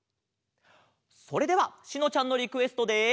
それではしのちゃんのリクエストで。